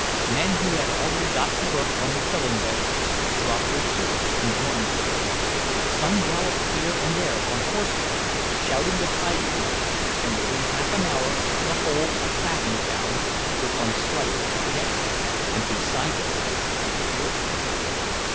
Men who had already got to work on the killing beds dropped their tools and joined them; some galloped here and there on horseback, shouting the tidings, and within half an hour the whole of Packingtown was on strike again, and beside itself with fury.